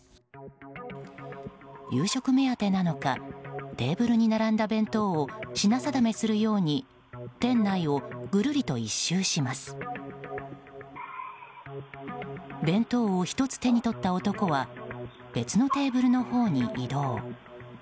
夕食目当てなのかテーブルに並んだ弁当を品定めするように店内をぐるりと１周します。弁当を１つ手に取った男は別のテーブルのほうへ移動。